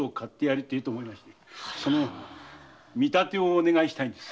その見立てをお願いしたいんです。